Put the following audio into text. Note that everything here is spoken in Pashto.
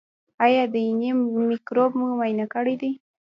ایا د ینې مکروب مو معاینه کړی دی؟